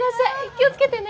気を付けてね。